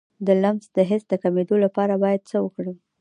د لمس د حس د کمیدو لپاره باید څه وکړم؟